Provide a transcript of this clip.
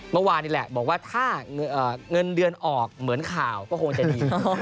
เมื่อวานนี่แหละบอกว่าถ้าเงินเดือนออกเหมือนข่าวก็คงจะดี